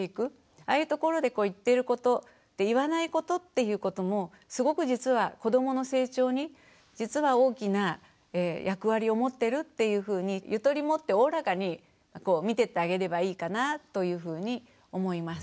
ああいうところで言ってること言わないことっていうこともすごく実は子どもの成長に実は大きな役割を持ってるっていうふうにゆとり持っておおらかに見てってあげればいいかなというふうに思います。